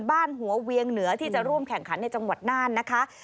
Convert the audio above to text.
บ้านหัวเวียงเหนือที่จะร่วมแข่งขันในจังหวัดน่านนะคะ